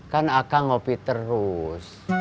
kan aka ngopi terus